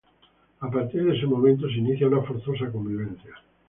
A partir de ese momento se inicia una forzosa convivencia.